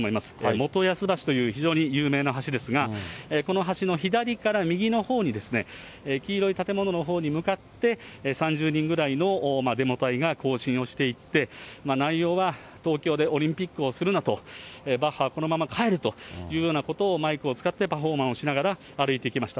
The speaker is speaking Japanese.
もとやす橋という非常に有名な橋ですが、この橋の左から右のほうにですね、黄色い建物のほうに向かって、３０人ぐらいのデモ隊が行進をしていって、内容は、東京でオリンピックをするなと、バッハはこのまま帰れというようなことを、マイクを使って、パフォーマンスをしながら、歩いていきました。